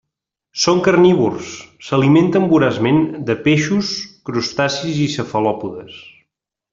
Són carnívors, s'alimenten voraçment de peixos, crustacis i cefalòpodes.